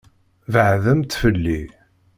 Beɛɛdemt fell-i!